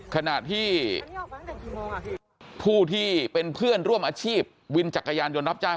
ขณะที่ผู้ที่เป็นเพื่อนร่วมอาชีพวินจักรยานยนต์รับจ้าง